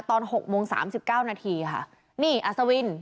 ตอน๐๖๓๙นนี่อัศวินทร์